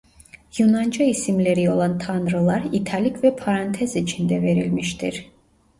Yunanca isimleri olan tanrılar italik ve parantez içinde verilmiştir.